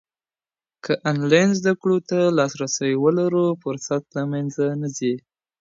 که انلاین زده کړو ته لاسرسی ولرو، فرصت له منځه نه ځي.